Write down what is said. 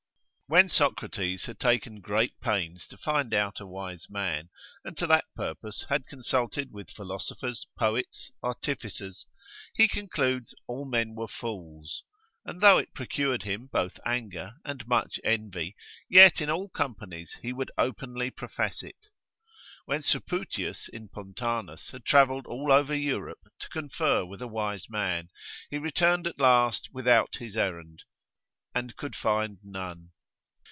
When Socrates had taken great pains to find out a wise man, and to that purpose had consulted with philosophers, poets, artificers, he concludes all men were fools; and though it procured him both anger and much envy, yet in all companies he would openly profess it. When Supputius in Pontanus had travelled all over Europe to confer with a wise man, he returned at last without his errand, and could find none.